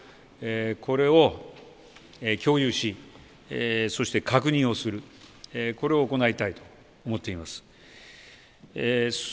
これを共有しそして確認をするこれを行いたいと思っています。